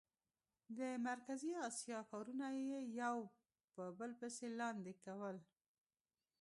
د مرکزي اسیا ښارونه یې یو په بل پسې لاندې کول.